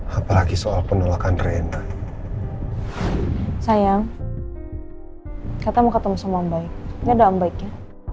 hai apalagi soal penolakan renan sayang kata mau ketemu sama baiknya dapat baiknya